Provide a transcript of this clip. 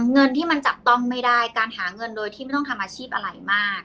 เงินที่มันจับต้องไม่ได้การหาเงินโดยที่ไม่ต้องทำอาชีพอะไรมาก